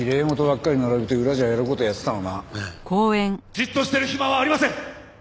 「じっとしてる暇はありません」